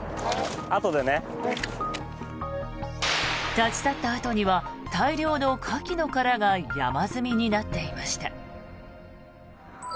立ち去ったあとには大量のカキの殻が山積みになっていました。